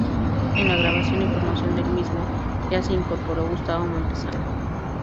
En la grabación y promoción del mismo ya se incorporó Gustavo Montesano.